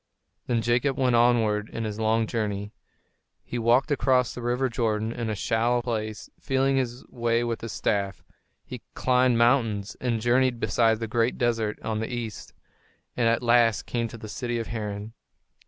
Then Jacob went onward in his long journey. He walked across the river Jordan in a shallow place, feeling his way with his staff; he climbed mountains and journeyed beside the great desert on the east, and at last came to the city of Haran.